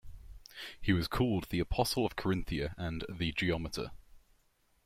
He was called "the Apostle of Carinthia" and "the geometer".